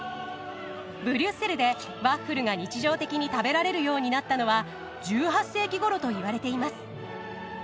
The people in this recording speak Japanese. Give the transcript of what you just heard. ブリュッセルでワッフルが日常的に食べられるようになったのは１８世紀ごろといわれています。